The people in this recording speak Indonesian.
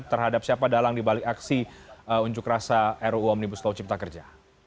terhadap siapa dalang dibalik aksi unjuk rasa ruu omnibus law cipta kerja